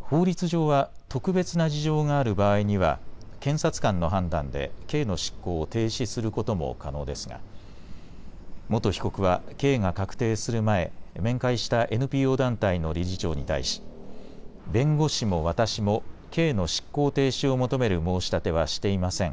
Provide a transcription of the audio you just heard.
法律上は特別な事情がある場合には検察官の判断で刑の執行を停止することも可能ですが元被告は刑が確定する前、面会したＮＰＯ団体の理事長に対し弁護士も私も刑の執行停止を求める申し立てはしていません。